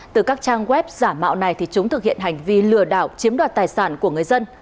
từ các trang web giả mạo này thì chúng thực hiện hành vi lừa đảo chiếm đoạt tài sản của người dân